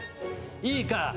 いいか？